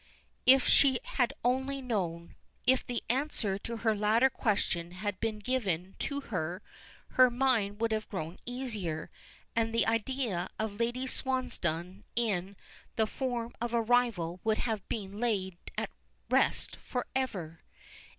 If she had only known. If the answer to her latter question had been given to her, her mind would have grown easier, and the idea of Lady Swansdown in the form of a rival would have been laid at rest forever.